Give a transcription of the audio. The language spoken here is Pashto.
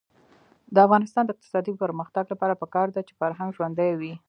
د افغانستان د اقتصادي پرمختګ لپاره پکار ده چې فرهنګ ژوندی وي.